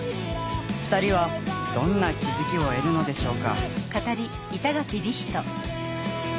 ２人はどんな気づきを得るのでしょうか。